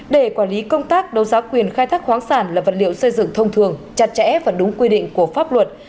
để quản lý công tác đấu giá quyền khai thác khoáng sản là vật liệu xây dựng thông thường chặt chẽ và đúng quy định của pháp luật